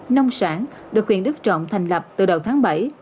nông sản được huyện đức trọng thành lập từ đầu tháng bảy